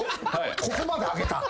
ここまで上げた？